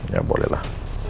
ya boleh lah